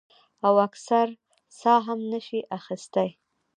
او اکثر ساه هم نشي اخستے ـ